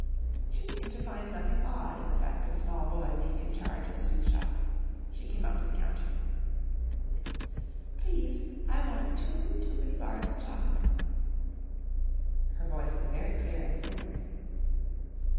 She seemed to find nothing odd in the fact of a small boy being in charge of a sweet shop. She came up to the counter. "Please, I want two twopenny bars of chocolate." Her voice was very clear and silvery.